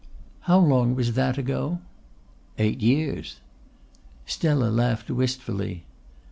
"How long was that ago?" "Eight years." Stella laughed wistfully.